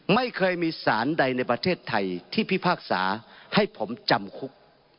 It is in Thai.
ไม่เคยมีสารใดในประเทศไทยที่พิพากษาให้ผมจำคุก